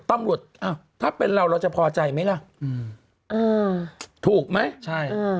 ตำรวจอ้าวถ้าเป็นเราเราจะพอใจไหมล่ะอืมอ่าถูกไหมใช่